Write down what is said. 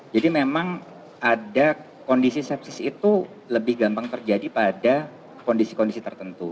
jadi memang ada kondisi sepsis itu lebih gampang terjadi pada kondisi kondisi tertentu